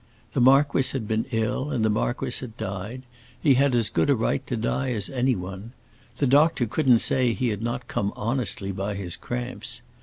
The marquis had been ill, and the marquis had died; he had as good a right to die as anyone. The doctor couldn't say he had not come honestly by his cramps.